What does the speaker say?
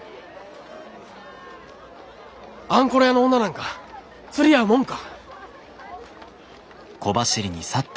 あんころ屋の女なんか釣り合うもんか！